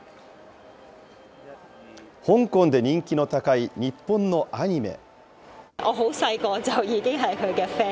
香港で人気の高い日本のアニメ。